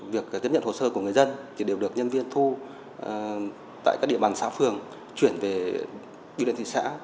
việc tiếp nhận hồ sơ của người dân thì đều được nhân viên thu tại các địa bàn xã phường chuyển về bưu điện thị xã